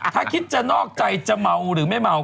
ถ้าคิดจะนอกใจจะเมาหรือไม่เมา